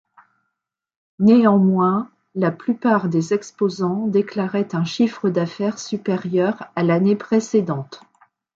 Néanmoins la plupart des exposants déclarait un chiffre d’affaires supérieur à l'année précédente.